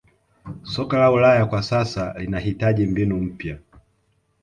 soka la ulaya kwa sasa linahitaji mbinu mpya